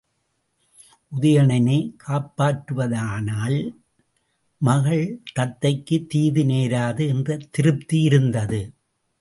உதயணனே காப்பாற்றுவதனால், தன் மகள் தத்தைக்குத் தீது நேராது என்ற திருப்தி இருந்தது.